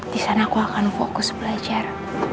di sana aku akan fokus belajar